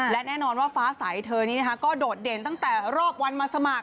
และแน่นอนว่าฟ้าใสเธอนี้นะคะก็โดดเด่นตั้งแต่รอบวันมาสมัคร